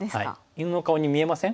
犬の顔に見えません？